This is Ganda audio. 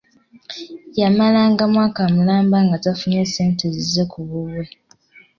yamalanga omwaka omulamba nga tafunye ssente zize ku bubwe.